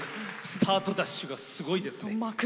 スタートダッシュがすごいですね。